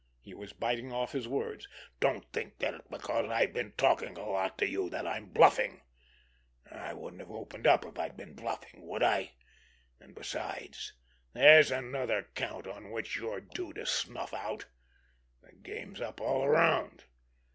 He was biting off his words. "Don't think that because I've been talking a lot to you that I'm bluffing. I wouldn't have opened up if I'd been bluffing, would I? And, besides, there's another count on which you're due to snuff out. The game's up all around.